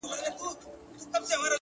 هغه د بل د كور ډېوه جوړه ده،